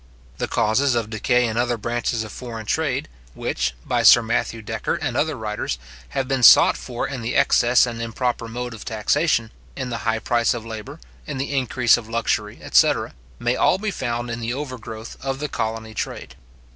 The causes of decay in other branches of foreign trade, which, by Sir Matthew Decker and other writers, have been sought for in the excess and improper mode of taxation, in the high price of labour, in the increase of luxury, etc. may all be found in the overgrowth of the colony trade.